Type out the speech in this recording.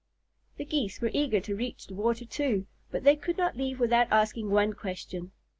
The Geese were eager to reach the water, too, but they could not leave without asking one question.